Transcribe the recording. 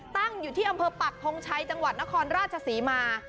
ตั้งอยู่ที่อำเภอปักทงชัยจังหวัดนครราชศรีมา